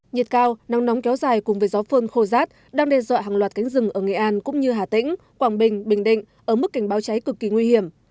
nhiệt cao nắng nóng kéo dài cùng với gió phơn khô rát đang đe dọa hàng loạt cánh rừng ở nghệ an cũng như hà tĩnh quảng bình bình định ở mức cảnh báo cháy cực kỳ nguy hiểm